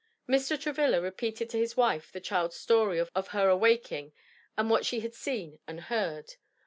Mr. Travilla repeated to his wife the child's story of her awaking and what she had seen and heard.